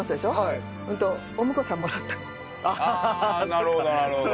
なるほどなるほど。